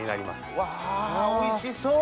うわおいしそう！